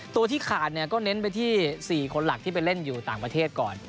ตัวที่ขาดเนี่ยก็เน้นไปที่๔คนหลักที่ไปเล่นอยู่ต่างประเทศก่อน